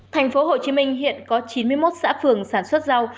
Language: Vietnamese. thành phố hồ chí minh hiện có chín mươi một xã phường sản xuất rau